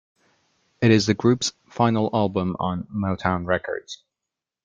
It is the group's final album on Motown Records.